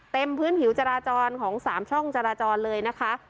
พื้นผิวจราจรของ๓ช่องจราจรเลยนะคะ